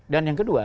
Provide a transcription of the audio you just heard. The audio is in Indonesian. dan yang kedua